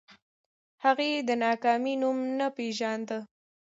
هغې د ناکامۍ نوم نه پېژانده